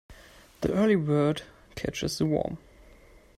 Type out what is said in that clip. The early bird catches the worm.